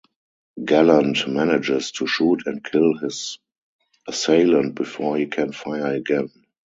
Gallant manages to shoot and kill his assailant before he can fire again.